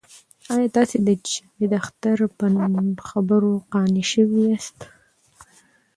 آیا تاسې د جاوید اختر په خبرو قانع شوي یاست؟